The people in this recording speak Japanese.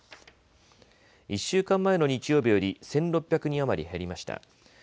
１週間前の日曜日より１６００人余り減りました。